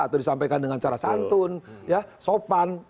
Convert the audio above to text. atau disampaikan dengan cara santun sopan